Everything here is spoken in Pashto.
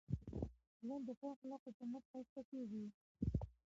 ژوند د ښو اخلاقو په مټ ښایسته کېږي.